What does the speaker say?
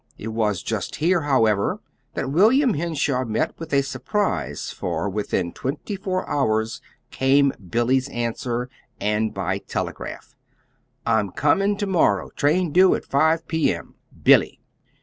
It was just here, however, that William Henshaw met with a surprise, for within twenty four hours came Billy's answer, and by telegraph. "I'm coming to morrow. Train due at five P. M. "BILLY."